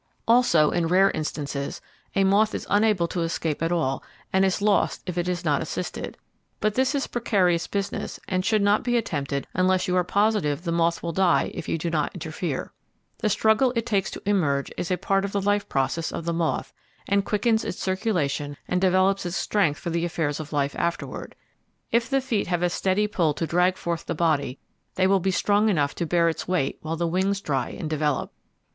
Also, in rare instances, a moth is unable to escape at all and is lost if it is not assisted; but this is precarious business and should not be attempted unless you are positive the moth will die if you do not interfere. The struggle it takes to emerge is a part of the life process of the moth and quickens its circulation and develops its strength for the affairs of life afterward. If the feet have a steady pull to drag forth the body, they will be strong enough to bear its weight while the wings dry and develop.